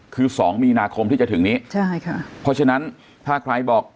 คือสองมีนาคมที่จะถึงนี้ใช่ค่ะเพราะฉะนั้นถ้าใครบอก